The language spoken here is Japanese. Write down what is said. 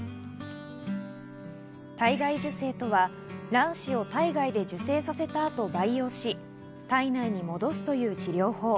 体外受精とは卵子を体外で受精させた後、培養し、体内に戻すという治療法。